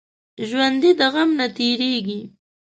ژوندي د غم نه تېریږي